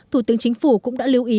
thủ tướng chính phủ cũng đã lưu ý